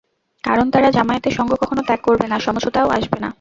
কারণ, তারা জামায়াতের সঙ্গ কখনো ত্যাগ করবে না, সমঝোতায়ও আসবে না।